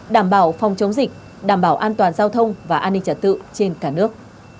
đảm bảo phòng chống dịch đảm bảo an toàn giao thông và an ninh trật tự trên cả nước